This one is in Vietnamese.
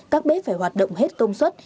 các bếp phải hoạt động hết công suất